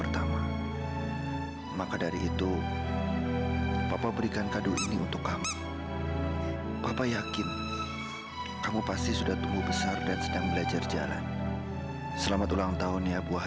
sampai jumpa di video selanjutnya